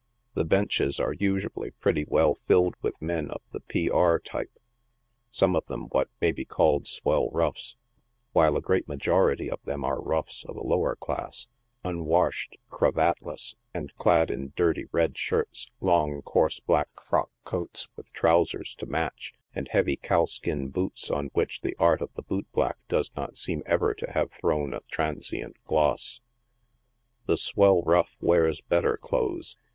The benches are usually pretty well filled with men of the P. R. type— some of them what may be called " swell roughs," while a great majority of them are roughs of a lower class, unwashed, cravatless, and clad in dirty red shirts, long, coarse black frock coats, with trousers to match, and heavy cow skin boots, on which the art of the boot black doe? not seem ever to have thrown a transient gloss. The swell rough wears better clothes.